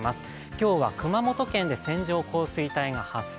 今日は熊本県で線状降水帯が発生